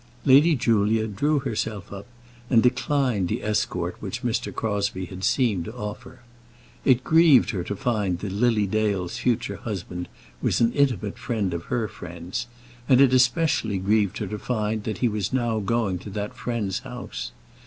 Lady Julia drew herself up, and declined the escort which Mr. Crosbie had seemed to offer. It grieved her to find that Lily Dale's future husband was an intimate friend of her friend's, and it especially grieved her to find that he was now going to that friend's house.